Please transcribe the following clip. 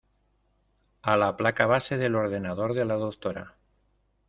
a la placa base del ordenador de la doctora.